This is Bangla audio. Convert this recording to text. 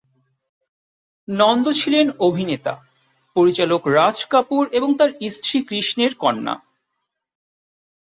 নন্দ ছিলেন অভিনেতা-পরিচালক রাজ কাপুর এবং তাঁর স্ত্রী কৃষ্ণের কন্যা।